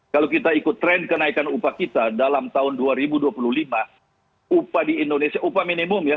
kalau kita ikut tren kenaikan upah kita dalam tahun dua ribu dua puluh lima upah di indonesia upah minimum ya